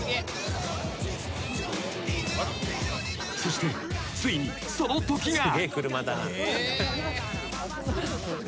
［そしてついにそのときが］